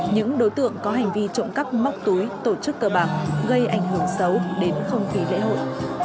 những đối tượng có hành vi trộm cắp móc túi tổ chức cơ bạc gây ảnh hưởng xấu đến không khí lễ hội